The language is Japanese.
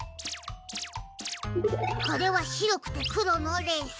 これはしろくてくろのレース。